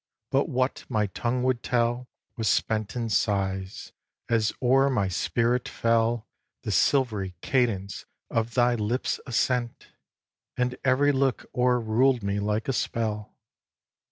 But what my tongue would tell Was spent in sighs, as o'er my spirit fell The silvery cadence of thy lips' assent; And every look o'er ruled me like a spell.